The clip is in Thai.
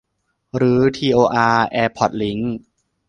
รื้อทีโออาร์แอร์พอร์ตลิงค์